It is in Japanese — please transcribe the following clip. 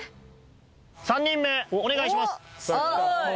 ・３人目お願いします。